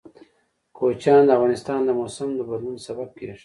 کوچیان د افغانستان د موسم د بدلون سبب کېږي.